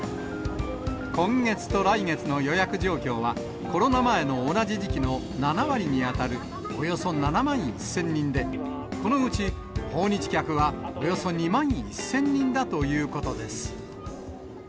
今月と来月の予約状況は、コロナ前の同じ時期の７割に当たるおよそ７万１０００人で、このうち訪日客はおよそ２万１０００人だということです。